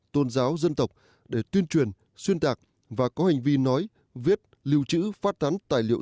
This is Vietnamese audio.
tôn giáo dân tộc để tuyên truyền xuyên tạc và có hành vi nói viết lưu trữ phát tán tài liệu